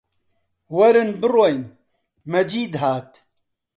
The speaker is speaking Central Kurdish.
وەرن بڕۆین! مەجید هات